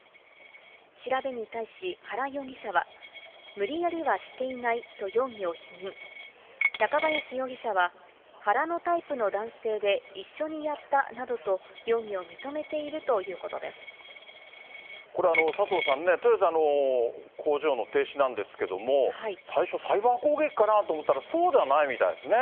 調べに対し、原容疑者は、無理やりはしていないと容疑を否認、中林容疑者は、原のタイプの男性で、一緒にやったなどと、これ、佐藤さんね、トヨタの工場の停止なんですけれども、最初、サイバー攻撃かなと思ったら、そうではないみたいですね。